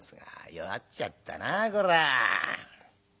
「弱っちゃったなこらぁ。